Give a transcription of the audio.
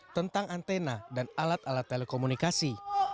tentang antena dan alat alat telekomunikasi